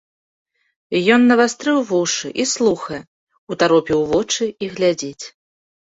Ён навастрыў вушы і слухае, утаропіў вочы і глядзіць.